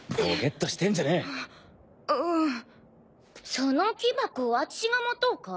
その木箱あちしが持とうか？